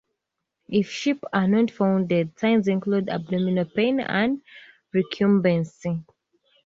If sheep are not found dead, signs include abdominal pain and recumbency.